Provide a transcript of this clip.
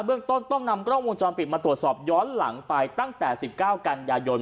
เรื่องต้นต้องนำกล้องวงจรปิดมาตรวจสอบย้อนหลังไปตั้งแต่๑๙กันยายน